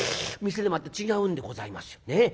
「店でまた違うんでございますよ。